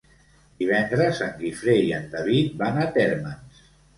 Divendres en Guifré i en David van a Térmens.